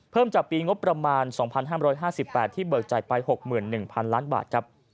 จากปีงบประมาณ๒๕๕๘ที่เบิกจ่ายไป๖๑๐๐๐ล้านบาทครับ